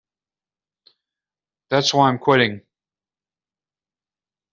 That's why I'm quitting.